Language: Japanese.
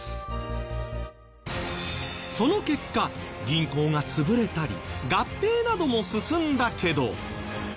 その結果銀行が潰れたり合併なども進んだけど。